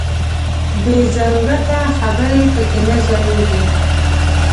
بې ضرورته خبرې پکې نه ځاییږي.